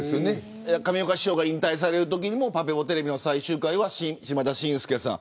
上岡師匠が引退されるときもパペポＴＶの最終回は島田紳助さん